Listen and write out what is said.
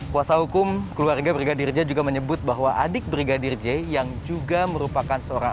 kuasa hukum keluarga brigadir j juga menyebut bahwa adik brigadir j yang juga merupakan seorang